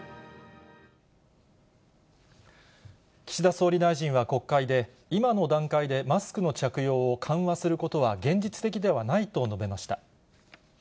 岸田総理大臣は国会で、今の段階でマスクの着用を緩和することは現実的ではないと述べました。